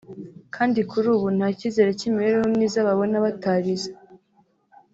kandi kuri ubu nta cyizere cy’imibereho myiza babona batarize